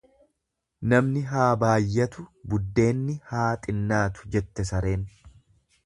Namni haa baayyatu, buddeenni haa xinnaatu jette sareen.